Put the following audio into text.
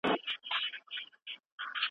نوي نسلونه بايد په عصري علومو سمبال سي.